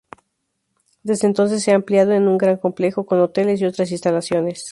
Desde entonces se ha ampliado en un gran complejo con hoteles y otras instalaciones.